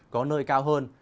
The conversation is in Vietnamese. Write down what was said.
có nơi cao hơn